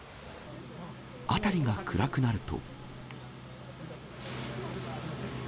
辺りが暗くなると。